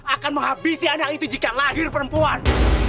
akan menghabisi anak itu jika lahir perempuan